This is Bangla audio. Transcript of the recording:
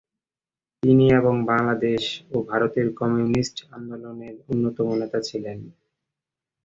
তিনি এবং বাংলাদেশ ও ভারতের কমিউনিস্ট আন্দোলনের অন্যতম নেতা ছিলেন।